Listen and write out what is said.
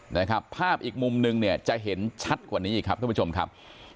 นะครับภาพอีกมุมหนึ่งจะเห็นชัดไปกว่านี้ครับทุกผู้ชมครับ